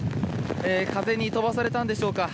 風に飛ばされたんでしょうか。